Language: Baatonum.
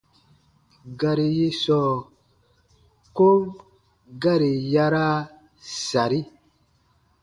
Gari yi sɔɔ kom gari yaraa sari.